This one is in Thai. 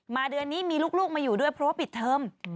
เดือนนี้มีลูกมาอยู่ด้วยเพราะว่าปิดเทอม